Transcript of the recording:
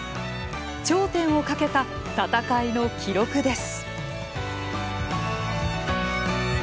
頂点をかけた戦いの記録です。